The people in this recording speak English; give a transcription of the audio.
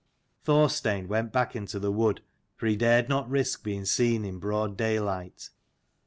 Thorstein went back into the wood, for he dared not risk being seen in broad daylight.